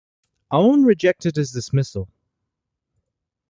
Aoun rejected his dismissal.